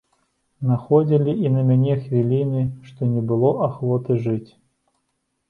Находзілі і на мяне хвіліны, што не было ахвоты жыць.